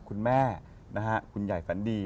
คุณแม่คุณใหญ่ฝันดี